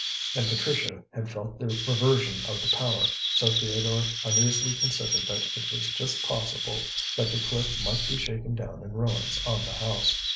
And Patricia had felt the reversion of the power, so Theodore uneasily considered that it was just possible that the cliff might be shaken down in ruins on the house.